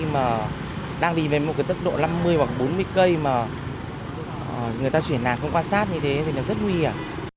nó đang đi về một tốc độ năm mươi hoặc bốn mươi cây mà người ta chuyển làn không quan sát như thế thì nó rất nguy hiểm